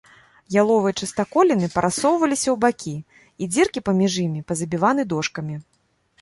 Яловыя частаколіны парассоўваліся ў бакі, і дзіркі паміж імі пазабіваны дошкамі.